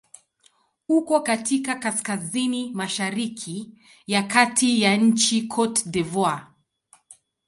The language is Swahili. Uko katika kaskazini-mashariki ya kati ya nchi Cote d'Ivoire.